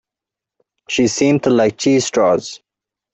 She seemed to like cheese straws.